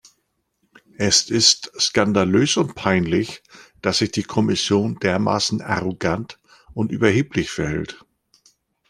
Es ist skandalös und peinlich, dass sich die Kommission dermaßen arrogant und überheblich verhält.